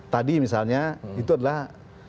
tadi misalnya itu adalah